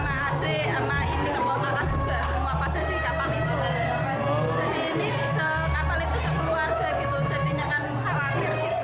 jadi ini kapal itu sepuluh warga gitu jadinya kan hal akhir gitu